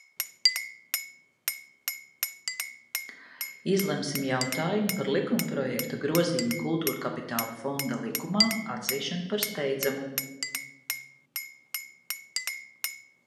"Izlemsim jautājumu par likumprojekta "Grozījumi Kultūrkapitāla fonda likumā" atzīšanu par steidzamu."